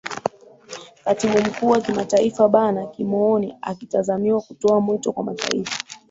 katibu mkuu wa kimataifa ban kimoon akitazamiwa kutoa mwito kwa mataifa